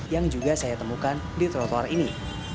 yang juga saya temukan di trotoar ini